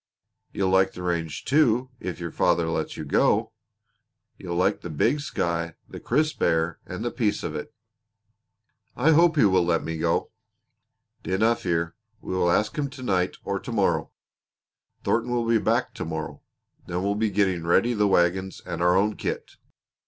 You'll like the range, too, if your father lets you go. You'll like the big sky, the crisp air, and the peace of it." "I hope he will let me go." "Dinna fear! We will ask him to night or to morrow. Thornton will be back to morrow. Then we'll be getting ready the wagons and our own kit."